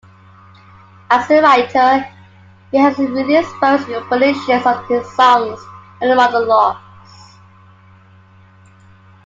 As a writer he has released various combinations of his songs and monologues.